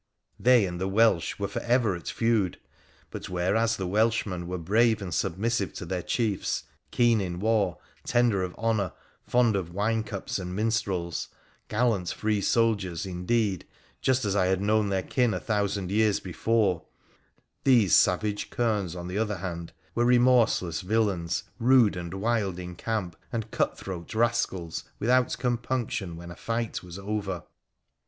The'y and the Welsh PIIRA THE PI1CENICIAN 1 75 were for ever at feud ; but, whereas the Welshmen were brave and submissive to their chiefs, keen in war, tender of honour, fond of wine cups and minstrels — gallant, free soldiers, indeed, just as I had known their kin a thousand years before ; these savage kerns, on the other hand, were remorseless villains, rude and wild in camp, and cutthroat rascals, without com punction, when a fight was over.